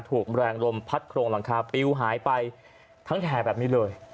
ถูกแรงลมพัดโครงหลังคาปิวหายไปทั้งแถบแบบนี้เลย